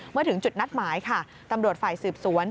เมื่อถึงจุดนัดหมายค่ะตำรวจฝ่ายสืบสวน